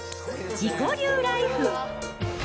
自己流ライフ。